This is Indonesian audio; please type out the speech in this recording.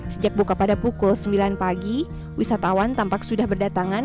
sejak buka pada pukul sembilan pagi wisatawan tampak sudah berdatangan